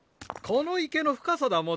この池の深さだ